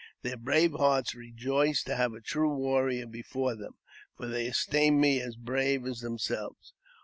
Their brave hearts rejoiced to have a true warrior before them, for they esteemed me as brave as themselves.